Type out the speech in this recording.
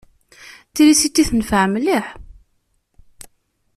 Trisiti tenfeɛ mliḥ.